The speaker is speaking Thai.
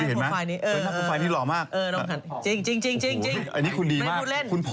เออเออมุมนี้น่ะ